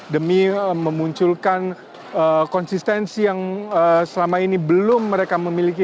demi memunculkan konsistensi yang selama ini belum mereka memiliki